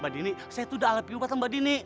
mbak dini saya tuh udah lapi ubat sama mbak dini